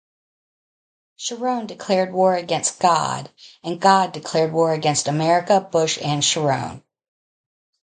Sharon declared war against God and God declared war against America, Bush and Sharon.